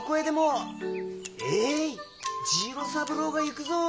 えい次郎三郎が行くぞ！